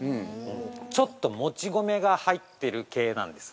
ちょっと、もち米が入ってる系なんです。